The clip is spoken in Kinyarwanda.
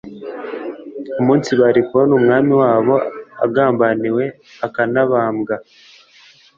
umunsi bari kubona Umwami wabo agambaniwe akanabambwa.